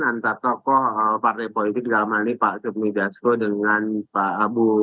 antara tokoh partai politik dalam hal ini pak supmi dasko dengan pak abu